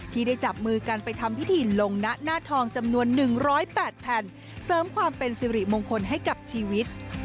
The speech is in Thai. ที่ได้จับมือกันไปทำพิธีลงนะหน้าทองจำนวน๑๐๘แผ่นเสริมความเป็นสิริมงคลให้กับชีวิต